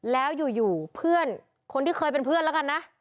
แล้วอยู่เพื่อนคนที่เคยเป็นเพื่อนแล้วกันนะ